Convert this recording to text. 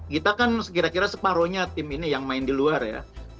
kita kan kira kira separohnya tim ini yang main di luar ya